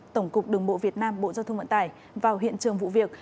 tổng cục đường bộ việt nam bộ giao thông vận tải vào hiện trường vụ việc